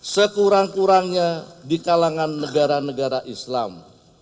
sekurang kurangnya di kalangan negara negara islam